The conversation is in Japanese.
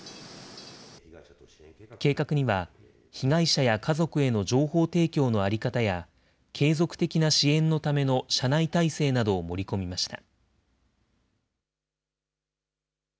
計画には、被害者や家族への情報提供の在り方や継続的な支援のための社内体制などを盛り込みました。